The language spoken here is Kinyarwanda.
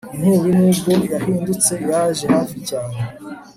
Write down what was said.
Inkubi nubwo yahindutse yaje hafi cyane